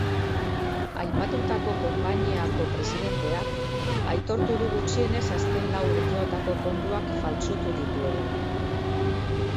Aipatutako konpainiako presidenteak aitortu du gutxienez azken lau urteotako kontuak faltsutu dituela.